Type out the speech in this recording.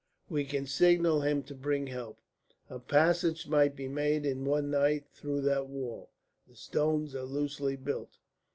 We can signal him to bring help. A passage might be made in one night through that wall; the stones are loosely built."